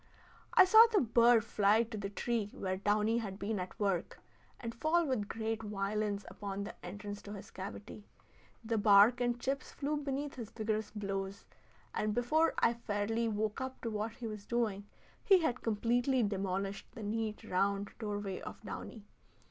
I saw the bird fly to the tree where downy had been at work, and fall with great violence upon the entrance to his cavity. The bark and the chips flew beneath his vigorous blows, and before I fairly woke up to what he was doing, he had completely demolished the neat, round doorway of downy.